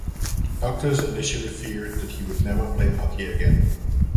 Doctors initially feared that he would never play hockey again.